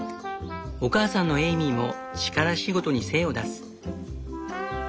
お母さんのエイミーも力仕事に精を出す。